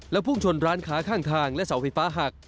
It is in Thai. พุ่งชนร้านค้าข้างทางและเสาไฟฟ้าหัก